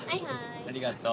ありがとう。